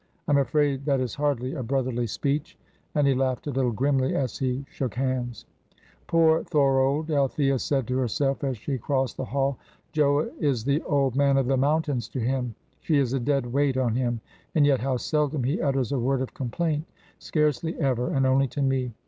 I am afraid that is hardly a brotherly speech;" and he laughed a little grimly as he shook hands. "Poor Thorold!" Althea said to herself, as she crossed the hall. "Joa is the Old Man of the Mountains to him; she is a dead weight on him. And yet how seldom he utters a word of complaint! scarcely ever, and only to me.